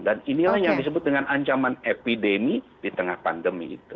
dan inilah yang disebut dengan ancaman epidemi di tengah pandemi